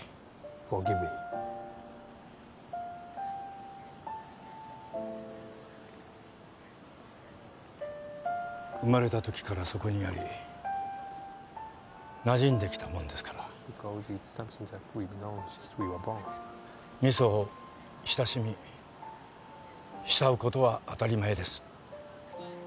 Ｆｏｒｇｉｖｅｍｅ．生まれたときからそこにありなじんできたもんですから味噌を親しみ慕うことは当たり前です